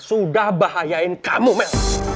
sudah bahayain kamu mel